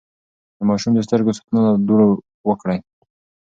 د ماشوم د سترګو ساتنه له دوړو وکړئ.